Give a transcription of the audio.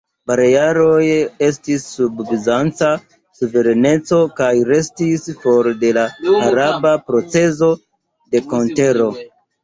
Balearoj estis sub bizanca suvereneco, kaj restis for de la araba procezo de konkero.